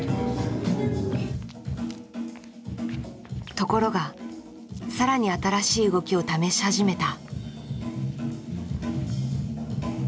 ところが更に新しい動きを試し始めた。